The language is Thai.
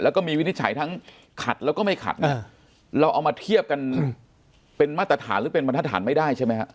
แล้วก็มีวินิจฉัยทั้งขัดแล้วก็ไม่ขัดเราเอามาเทียบกันเป็นมาตรฐานหรือเป็นบรรทฐานไม่ได้ใช่ไหมฮะ